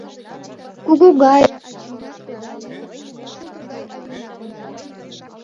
Куку гае ачийнат кодале, куку шулдыр гай авийна кодале.